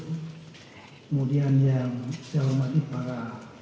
kemudian yang saya hormati para